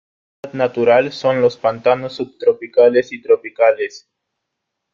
Su hábitat natural son los pantanos subtropicales y tropicales.